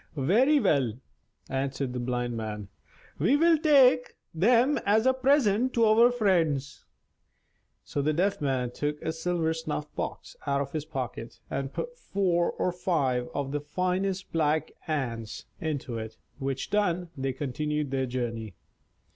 "Very well," answered the Blind Man; "we will take them as a present to our friends." So the Deaf Man took a silver snuff box out of his pocket, and put four or five of the finest black ants into it; which done, they continued their journey.